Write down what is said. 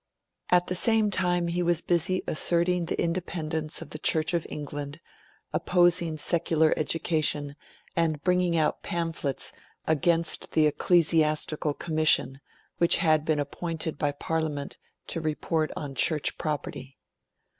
At the same time he was busy asserting the independence of the Church of England, opposing secular education, and bringing out pamphlets against the Ecclesiastical Commission, which had been appointed by Parliament to report on Church Property.